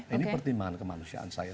ini pertimbangan kemanusiaan saya